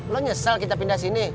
lo nyesel kita pindah sini